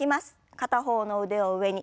片方の腕を上に。